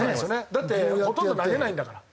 だってほとんど投げないんだから。